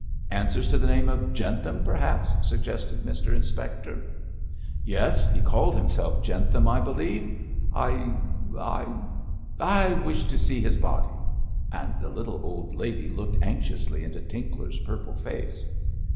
'Answers to the name of Jentham, perhaps?' suggested Mr Inspector. 'Yes, he called himself Jentham, I believe. I I I wish to see his body;' and the little old lady looked anxiously into Tinkler's purple face.